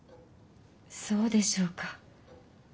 そうでしょうか？